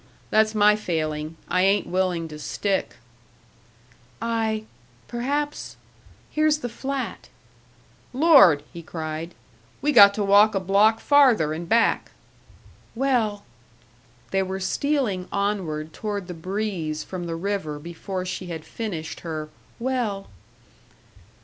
That's my failing I ain't willing to stick." "I perhaps Here's the flat." "Lord!" he cried; "we got to walk a block farther and back." "Well " They were stealing onward toward the breeze from the river before she had finished her "Well."